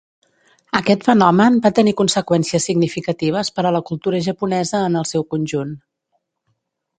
Aquest fenomen va tenir conseqüències significatives per a la cultura japonesa en el seu conjunt.